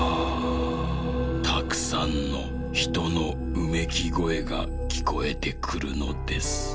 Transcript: たくさんのひとのうめきごえがきこえてくるのです」。